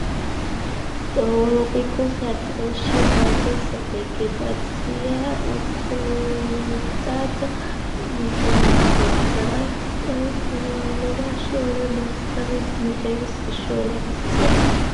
ტროპიკულ სარტყელში ვაზის ვეგეტაცია უწყვეტად მიმდინარეობს, რაც წლის განმავლობაში ორი მოსავლის მიღების საშუალებას იძლევა.